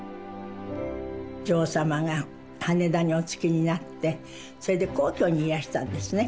女王様が羽田にお着きになってそれで皇居にいらしたんですね。